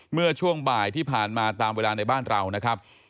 เมื่อช่วงบ่ายที่ผ่านมาตามเวลาในบ้านเรานะครับ